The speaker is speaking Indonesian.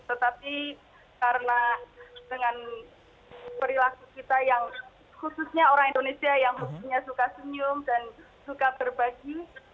tetapi karena dengan perilaku kita yang khususnya orang indonesia yang khususnya suka senyum dan suka berbagi